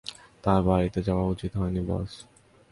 তার বাড়িতে যাওয়া উচিত হয়নি, বস।